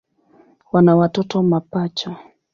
Wana watoto mapacha.